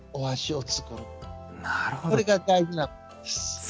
これが大事なんです。